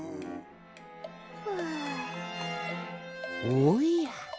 おや。